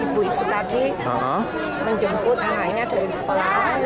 ibu itu tadi menjemput anaknya dari sekolah